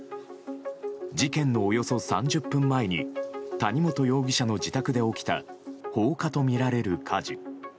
事件のおよそ３０分前に谷本容疑者の自宅で起きた放火とみられる火事。